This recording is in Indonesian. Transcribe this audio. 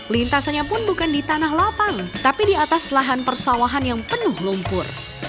lintasannya pun bukan di tanah lapang tapi di atas lahan persawahan yang penuh lumpur